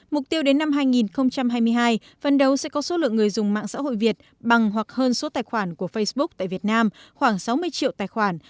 mục tiêu đến năm hai nghìn hai mươi hai phần đầu sẽ có số lượng người dùng mạng xã hội việt bằng hoặc hơn số tài khoản của facebook tại việt nam khoảng sáu mươi triệu tài khoản